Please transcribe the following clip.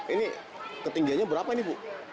ini ketinggiannya berapa ini bu